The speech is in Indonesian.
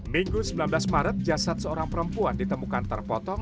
minggu sembilan belas maret jasad seorang perempuan ditemukan terpotong